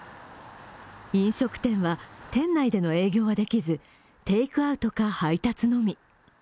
飲食店は、店内での営業はできず、テイクアウトか配達のみ。